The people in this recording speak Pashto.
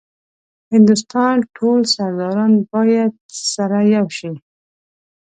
هندوستان ټول سرداران باید سره یو شي.